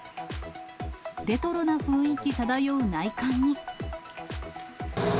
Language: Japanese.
レトロな雰囲気漂う内観に。